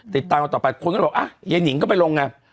ติดตามต่อไปคนก็บอกอ่ะไอ้นิ๋งก็ไปลงไง๒